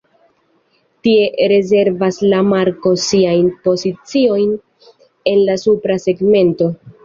Tie rezervas la marko siajn poziciojn en la supra segmento.